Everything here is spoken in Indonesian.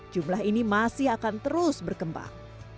jumlah ini masih akan terus berkembang